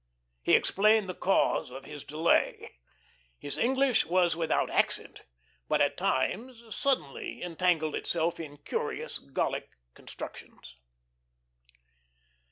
He explained the cause of his delay. His English was without accent, but at times suddenly entangled itself in curious Gallic constructions.